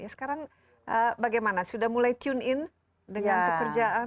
sekarang bagaimana sudah mulai tune in dengan pekerjaan